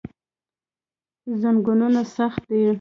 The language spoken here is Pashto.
زنګونونه سخت دي.